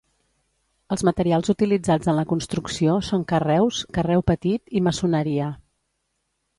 Els materials utilitzats en la construcció són carreus, carreu petit i maçoneria.